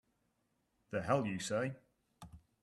The hell you say!